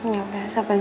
ya udah sayang